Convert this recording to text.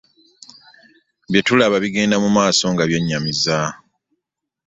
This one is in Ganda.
Bye tulaba bigenda mu maaso nga byennyamiza!